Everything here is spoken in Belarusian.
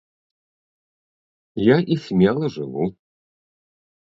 Я і смела жыву.